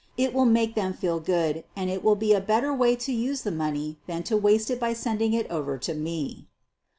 It will make them feel good, and it will be a better way to use the money than to waste it by sending it over to me."